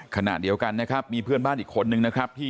ขนาดเดียวกันมีเพื่อนบ้านอีกคนหนึ่ง